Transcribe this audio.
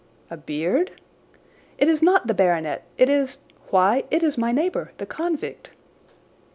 "A beard?" "It is not the baronet—it is—why, it is my neighbour, the convict!"